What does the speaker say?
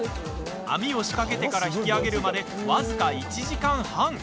網を仕掛けてから引き上げるまで僅か１時間半。